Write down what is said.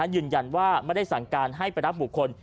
ยืนยันว่าไม่ได้สั่งการให้ไปรับบุคคล